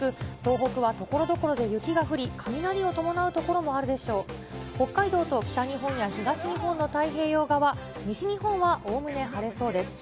北海道と北日本や東日本の太平洋側、西日本はおおむね晴れそうです。